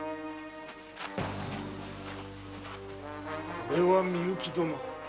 これは美雪殿。